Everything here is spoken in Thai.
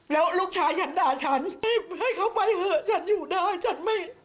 แล้วลูกชายฉันด่าฉันให้เขาไปเถอะฉันอยู่ได้ฉันไม่